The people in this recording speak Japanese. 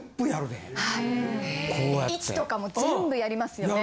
位置とかも全部やりますよね。